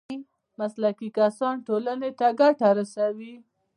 مسلکي کسان ټولنې ته ګټه رسوي